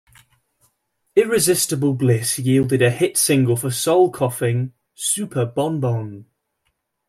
"Irresistible Bliss" yielded a hit single for Soul Coughing, "Super Bon Bon".